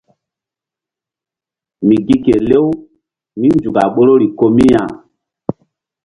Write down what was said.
Mi gi ke lew mínzuk a ɓoruri ko mi ya.